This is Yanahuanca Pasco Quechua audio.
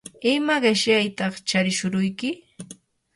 ¿ima qishyataq charishuruyki?